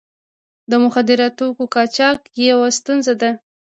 د مخدره توکو قاچاق یوه ستونزه ده.